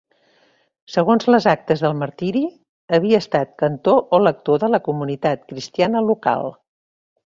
Segons les actes del martiri, havia estat cantor o lector de la comunitat cristiana local.